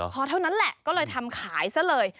พอเท่านั้นแหละก็เลยทำขายซะเลย